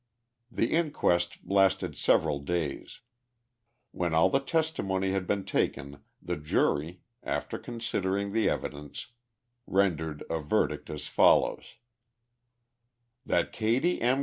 The inquest lasted several days. When all the testimony had been taken the jury, after considering the evidence, rendered a verdict as follows :" That Katie M.